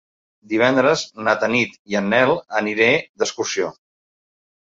Divendres na Tanit i en Nel aniré d'excursió.